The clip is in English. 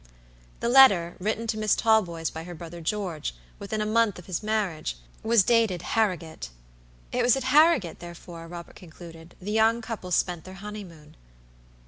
The letter, written to Miss Talboys by her brother George, within a month of his marriage, was dated Harrowgate. It was at Harrowgate, therefore, Robert concluded, the young couple spent their honeymoon.